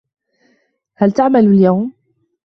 هل تعمل اليوم؟